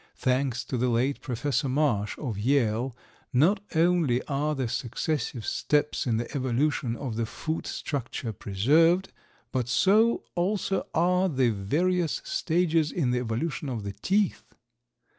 Thanks to the late Professor Marsh, of Yale, not only are the successive steps in the evolution of the foot structure preserved, but so also are the various stages in the evolution of the teeth.